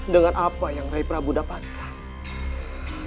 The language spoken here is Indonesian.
dengan apa yang rai prabu dapatkan